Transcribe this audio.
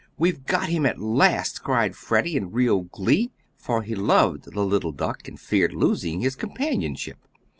"We've got him at last," cried Freddie in real glee, for he loved the little duck and feared losing his companionship.